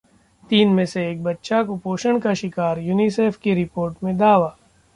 तीन में से एक बच्चा कुपोषण का शिकार, यूनिसेफ की रिपोर्ट में दावा